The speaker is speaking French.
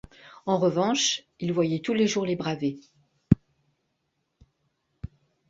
En revanche, il voyait tous les jours les Bravées.